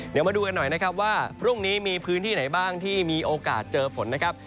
เดี๋ยวมาดูกันหน่อยนะครับว่าพรุ่งนี้มีพื้นที่ไหนบ้างที่มีโอกาสเจอฝนนะครับ